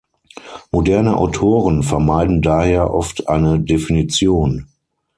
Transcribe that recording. Moderne Autoren vermeiden daher oft eine Definition.